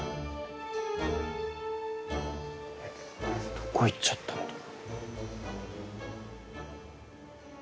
どこ行っちゃったんだろ。